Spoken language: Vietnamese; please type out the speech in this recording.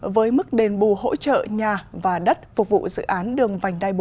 với mức đền bù hỗ trợ nhà và đất phục vụ dự án đường vành đai bốn